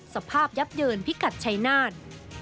สภาพยับเยินพิกัดชัยนาธ